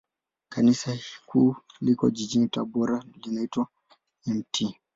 Kanisa Kuu liko jijini Tabora, na linaitwa la Mt.